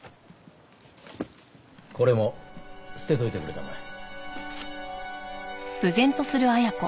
これも捨てといてくれたまえ。